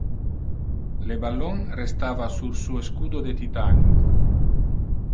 Le ballon resaltava sur su escudo de titanium.